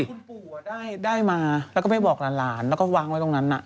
คุณปู่ได้มาแล้วก็ไปบอกหลานแล้วก็วางไว้ตรงนั้น